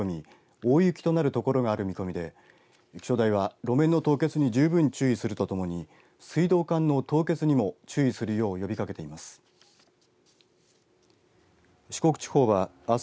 大雪となる所がある見込みで気象台は路面の凍結に十分注意するとともに水道管の凍結にも注意するよう呼びかけています。